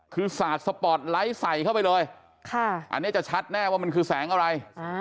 คือสาดสปอร์ตไลท์ใส่เข้าไปเลยอันนี้จะชัดแน่ว่ามันคือแสงอะไร